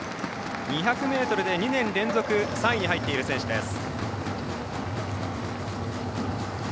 ２００ｍで２年連続３位に入っている選手です。